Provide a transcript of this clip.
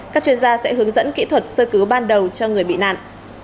các chuyên gia sẽ hướng dẫn kỹ thuật sơ cứu ban đầu cho người bị nạn